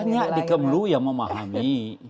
banyak di kemlu yang memahami